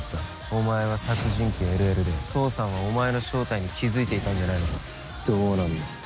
お前は殺人鬼ＬＬで父さんはお前の正体に気づいてたんじゃないんか。